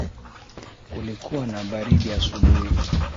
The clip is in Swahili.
Kulikuwa na baridi asubuhi